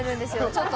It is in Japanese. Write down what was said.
ちょっと。